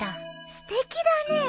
すてきだねえ。